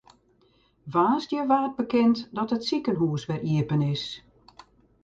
Woansdei waard bekend dat it sikehûs wer iepen is.